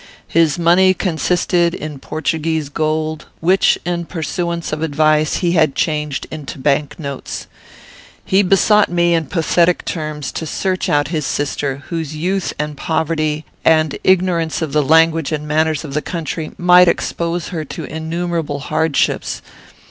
His money consisted in Portuguese gold, which, in pursuance of advice, he had changed into bank notes. He besought me, in pathetic terms, to search out his sister, whose youth and poverty, and ignorance of the language and manners of the country, might expose her to innumerable hardships.